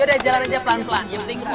udah jalan aja pelan pelan